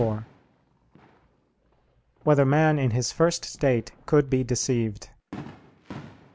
4] Whether Man in His First State Could Be Deceived?